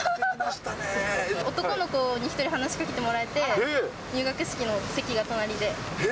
男の子に１人、話しかけてもらえて、入学式の席が隣で。